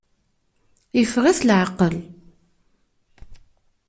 Yeffeɣ-it leεqel.